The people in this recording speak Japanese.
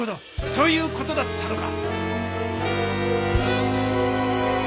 そういう事だったのか！